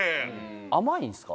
甘いんですか？